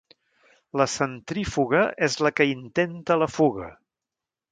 La centrífuga és la que "intenta la fuga".